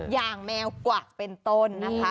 อย่างแมวกว่าเป็นต้น